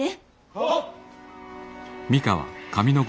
はっ。